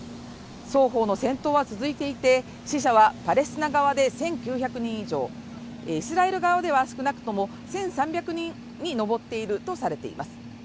双方の戦闘が続いていて死者はパレスチナ側で１９００人以上イスラエル側では少なくとも１３００人に上っているとされています